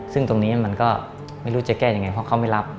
ซึ่งตรงนี้มันก็ไม่รู้จะแก้ยังไงเพราะเขาไม่รับ